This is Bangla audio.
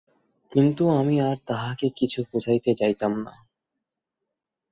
কিন্তু আমি আর তাহাকে কিছু বুঝাইতে যাইতাম না।